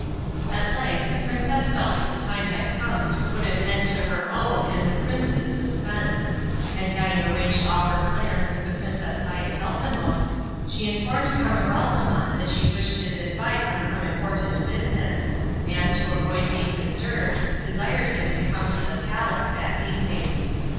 At length the princess felt that the time had come to put an end to her own and the prince's suspense, and having arranged all her plans with the Princess Haiatelnefous, she informed Camaralzaman that she wished his advice on some important business, and, to avoid being disturbed, desired him to come to the palace that evening.